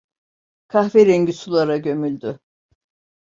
Kahverengi sulara gömüldü…